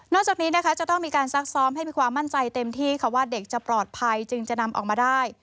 จากนี้นะคะจะต้องมีการซักซ้อมให้มีความมั่นใจเต็มที่ค่ะว่าเด็กจะปลอดภัยจึงจะนำออกมาได้